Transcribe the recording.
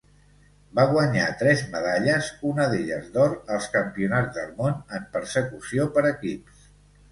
Va guanyar tres medalles, una d'elles d'or, als Campionats del món en Persecució per equips.